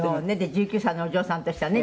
１９歳のお嬢さんとしてはね